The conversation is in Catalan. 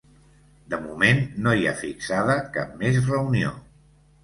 De moment, no hi ha fixada cap més reunió.